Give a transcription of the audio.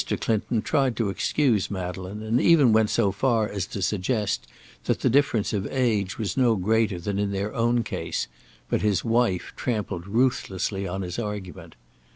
Clinton tried to excuse Madeleine, and even went so far as to suggest that the difference of age was no greater than in their own case; but his wife trampled ruthlessly on his argument.